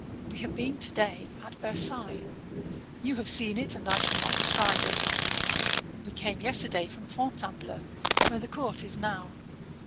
We have been to day at Versailles. You have seen it, and I shall not describe it. We came yesterday from Fontainbleau, where the Court is now.